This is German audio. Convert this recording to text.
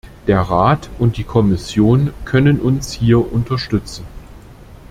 Der Rat und die Kommission können uns hier unterstützen.